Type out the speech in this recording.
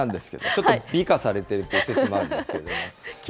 ちょっと美化されてるという説もあるんですけれども。